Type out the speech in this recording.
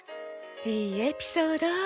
いいエピソード。